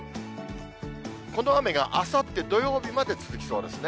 この雨があさって土曜日まで続きそうですね。